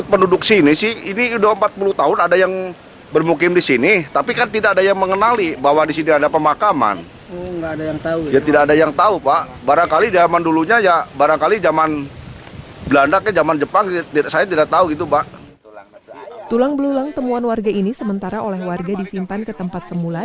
tulang belulang temuan warga ini sementara oleh warga disimpan ke tempat semula